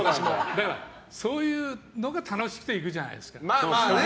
だから、そういうのが楽しくて行くじゃないですか。